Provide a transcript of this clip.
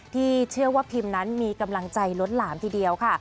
ที่เชื่อว่าพิมนั้นมีกำลังใจล้นหลามทีเดียวค่ะ